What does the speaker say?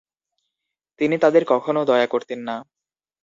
তিনি তাদের কখনও দয়া করতেন না।